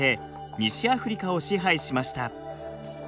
西アフリカを支配しました。